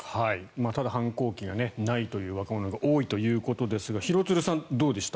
ただ、反抗期がないという若者が多いということですが廣津留さん、どうでした？